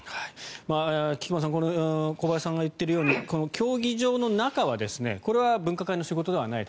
菊間さん小林さんが言っているように競技場の中は、これは分科会の仕事ではないと。